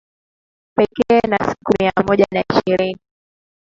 Pekee na siku mia moja na ishirini